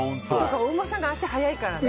お馬さんが足速いからね。